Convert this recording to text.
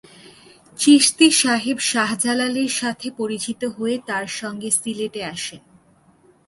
চিশতী সাহেব শাহ জালালের সাথে পরিচিত হয়ে তার সঙ্গে সিলেটে আসেন।